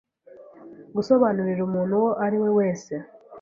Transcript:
gusobanurira umuntu uwo ari we wese